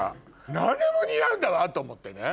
何でも似合うんだわ！と思ってね。